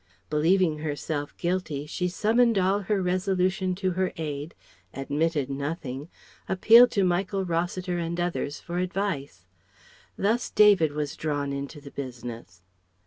Believing herself guilty she summoned all her resolution to her aid, admitted nothing, appealed to Michael Rossiter and others for advice. Thus David was drawn into the business.